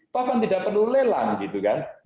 pak gan tidak perlu lelang gitu kan